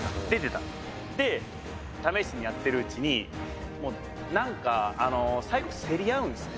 「で試しにやってるうちにもうなんか最後競り合うんですね